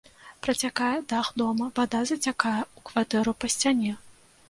Працякае дах дома, вада зацякае ў кватэру па сцяне.